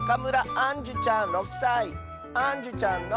あんじゅちゃんの。